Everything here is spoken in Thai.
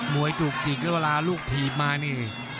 มวยถุกอีกละเวลาลูกทีบมานี่